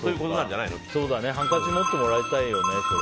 ハンカチ持ってもらいたいよね。